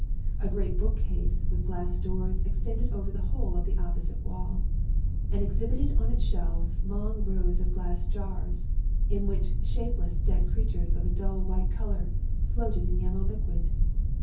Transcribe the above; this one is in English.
A great book case with glass doors extended over the whole of the opposite wall, and exhibited on its shelves long rows of glass jars, in which shapeless dead creatures of a dull white color floated in yellow liquid.